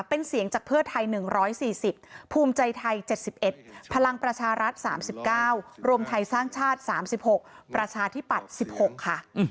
เป็นเสียงจากเพื่อไทย๑๔๐ภูมิใจไทย๗๑พลังประชารัฐ๓๙รวมไทยสร้างชาติ๓๖ประชาธิปัตย์๑๖ค่ะ